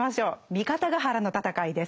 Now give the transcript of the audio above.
三方ヶ原の戦いです。